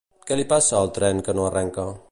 Què li passa al tren que no arrenca?